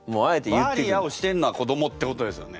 「バーリア」をしてんのは子どもってことですよね。